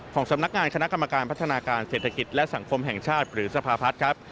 สำนักงานคณะกรรมการพัฒนาการเศรษฐกิจและสังคมแห่งชาติหรือสภาพัฒน์ครับ